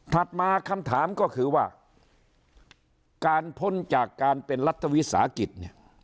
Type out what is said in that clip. มาคำถามก็คือว่าการพ้นจากการเป็นรัฐวิสาหกิจเนี่ย